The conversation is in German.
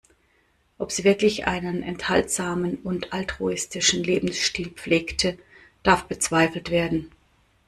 Ob sie wirklich einen enthaltsamen und altruistischen Lebensstil pflegte, darf bezweifelt werden.